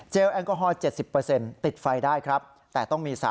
แอลกอฮอล๗๐ติดไฟได้ครับแต่ต้องมี